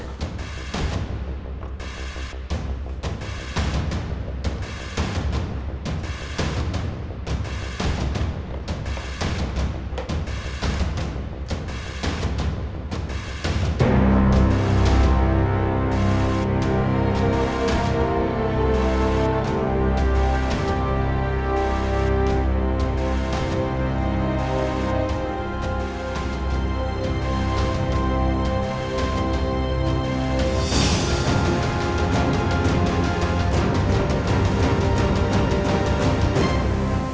taruh sini aja deh